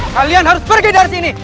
kalian harus pergi dari sini